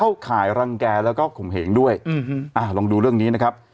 ข่ายรังแก่แล้วก็ข่มเหงด้วยลองดูเรื่องนี้นะครับ